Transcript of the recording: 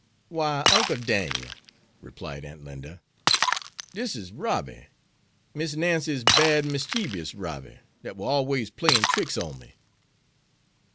"Why, Uncle Dan'el," replied Aunt Linda, "dis is Robby; Miss Nancy's bad, mischeebous Robby, dat war allers playin' tricks on me."